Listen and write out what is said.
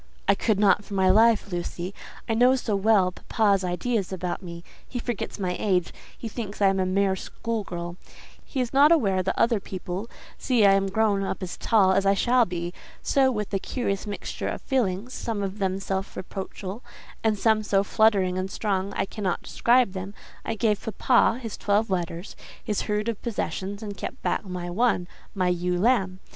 I could not for my life, Lucy. I know so well papa's ideas about me: he forgets my age; he thinks I am a mere school girl; he is not aware that other people see I am grown up as tall as I shall be; so, with a curious mixture of feelings, some of them self reproachful, and some so fluttering and strong, I cannot describe them, I gave papa his twelve letters—his herd of possessions—and kept back my one, my ewe lamb.